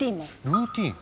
ルーティーン？